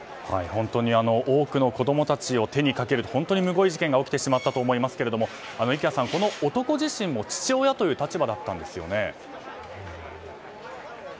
本当に多くの子供たちを手にかける、むごい事件が起きてしまったと思いますが池谷さん、この男自身も父親という立場だったんですよね。